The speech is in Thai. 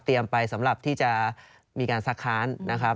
ไปสำหรับที่จะมีการซักค้านนะครับ